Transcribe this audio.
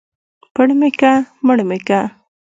پړ مى که مړ مى که.